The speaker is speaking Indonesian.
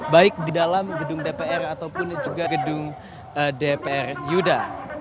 baik di dalam gedung dpr ataupun juga gedung dpr yuda